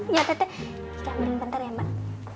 ya tete kita ambilin bentar ya mbak